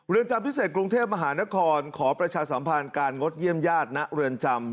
จำพิเศษกรุงเทพมหานครขอประชาสัมพันธ์การงดเยี่ยมญาติณเรือนจำ